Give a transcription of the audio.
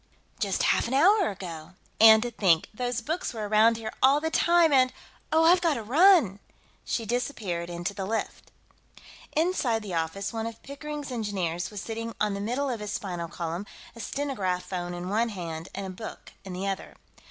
"Just half an hour ago. And to think, those books were around here all the time, and.... Oh, I've got to run!" She disappeared into the lift. Inside the office, one of Pickering's engineers was sitting on the middle of his spinal column, a stenograph phone in one hand and a book in the other.